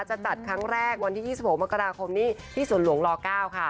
จะจัดครั้งแรกวันที่๒๖มกราคมนี้ที่สวนหลวงล๙ค่ะ